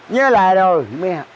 nhớ lại rồi mê